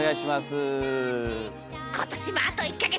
今年もあと１か月。